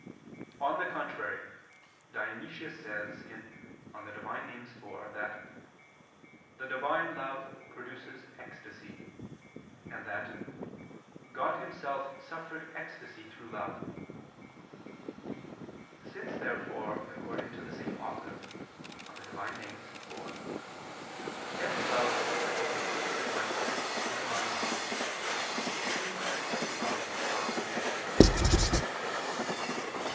On the contrary, Dionysius says (Div. Nom. iv) that "the Divine love produces ecstasy," and that "God Himself suffered ecstasy through love." Since therefore according to the same author (Div. Nom. iv), every love is a participated likeness of the Divine Love, it seems that every love causes ecstasy.